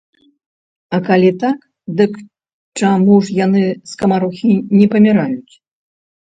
А калі так, дык чаму ж яны, скамарохі, не паміраюць?